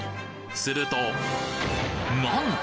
するとなんと！